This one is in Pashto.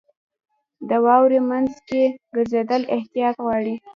• د واورې مینځ کې ګرځېدل احتیاط غواړي.